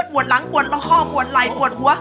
ปวดหลังปวดลำคอปวดไหล่ปวดหัว